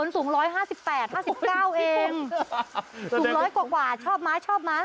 สูง๑๐๐กว่าชอบมั้ย